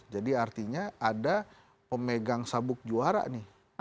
jadi artinya ada pemegang sabuk juara nih